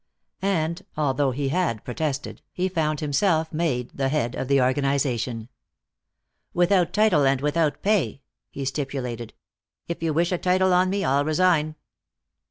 And, although he had protested, he found himself made the head of the organization. " without title and without pay," he stipulated. "If you wish a title on me, I'll resign."